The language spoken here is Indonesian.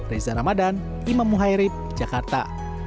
reza ramadan imam muhairib jakarta